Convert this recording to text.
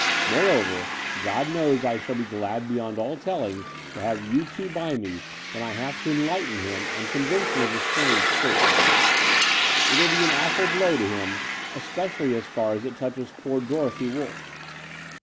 Moreover, God knows I shall be glad beyond all telling to have you two by me, when I have to enlighten him and convince him of the strange truth. It will be an awful blow to him, especially as far as it touches poor Dorothy Wolff."